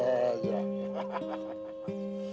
menjadi kemampuan anda